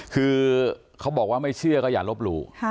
คือเขาบอกว่าไม่เชื่อก็อย่าลบหลู่